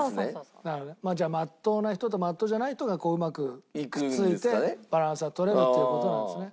じゃあまっとうな人とまっとうじゃない人がうまくくっついてバランスが取れるっていう事なんですね。